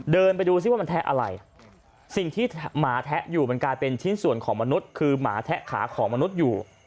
เดินไปดูซิว่ามันแทะอะไรสิ่งที่หมาแทะอยู่มันกลายเป็นชิ้นส่วนของมนุษย์คือหมาแทะขาของมนุษย์อยู่